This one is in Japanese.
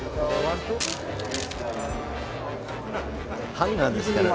ハンガーですからね。